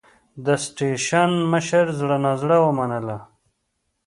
د سټېشن مشر زړه نازړه ومنله.